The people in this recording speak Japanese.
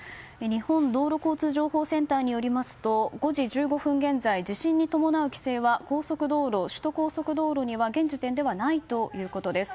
日本道路交通情報センターによりますと５時１５分現在地震に伴う規制は高速道路、首都高速道路には現時点ではないということです。